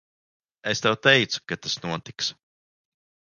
Es tev teicu, ka tas notiks.